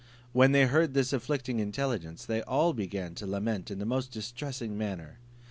When they heard this afflicting intelligence, they all began to lament in the most distressing manner.